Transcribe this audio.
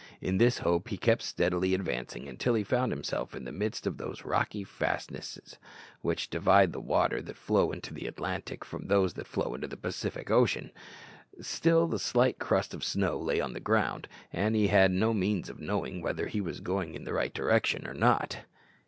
In this hope he kept steadily advancing, until he found himself in the midst of those rocky fastnesses which divide the waters that flow into the Atlantic from those that flow into the Pacific Ocean. Still the slight crust of snow lay on the ground, and he had no means of knowing whether he was going in the right direction or not.